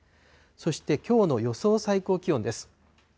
そしてきょうの予想最高気温です。